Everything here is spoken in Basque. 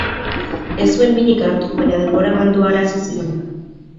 Ez zuen minik hartu, baina denbora galdu arazi zion.